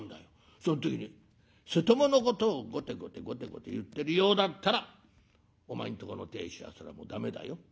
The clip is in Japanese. その時に瀬戸物のことをごてごてごてごて言ってるようだったらお前んとこの亭主はそれはもう駄目だよ。